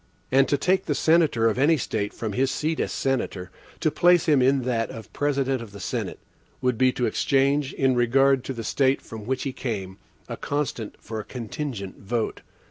And to take the senator of any State from his seat as senator, to place him in that of President of the Senate, would be to exchange, in regard to the State from which he came, a constant for a contingent vote.